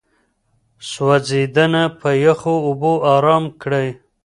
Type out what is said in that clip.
سوځېدنه په يخو اوبو آرام کړئ.